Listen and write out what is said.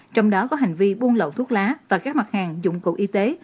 trong đó có hành vi buôn lậu thuốc lá và các mặt hàng dụng cụ y tế